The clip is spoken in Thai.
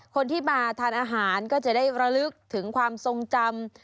คนที่มาทานอาหารก็จะได้ระลึกถึงความทรงจำ